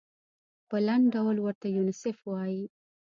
په لنډ ډول ورته یونیسف وايي.